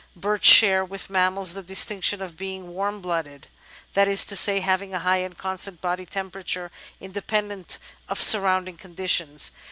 Birds share with mammals the distinction of being 'Varm blooded,'* that is to say, having a high and constant body tempera ture independent of surrounding conditions.